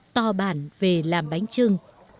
to bản về làm bánh trưng